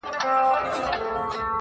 كومه پېغله به غرمه د ميوند سره كي!!